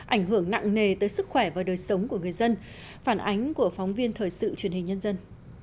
ảnh hưởng nặng nề tới sức khỏe và đời sống của người dân phản ánh của phóng viên thời sự truyền hình nhân dân